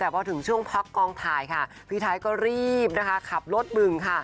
พี่ไทยก็รีบขับรถดึง